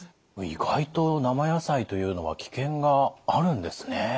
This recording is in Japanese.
意外と生野菜というのは危険があるんですね。